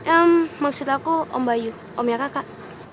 om maksud aku om bayu omnya kakak